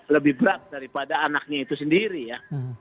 lebih berat daripada anaknya itu sendiri ya